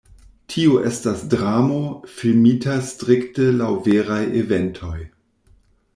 Tio estas dramo, filmita strikte laŭ veraj eventoj.